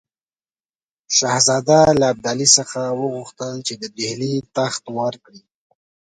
شهزاده له ابدالي څخه وغوښتل چې د ډهلي تخت ورکړي.